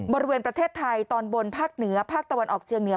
บริเวณประเทศไทยตอนบนภาคเหนือภาคตะวันออกเชียงเหนือ